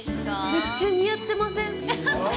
めっちゃ似合ってません？